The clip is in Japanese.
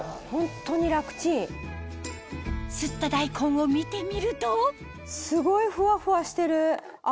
すった大根を見てみるとすごいフワフワしてる！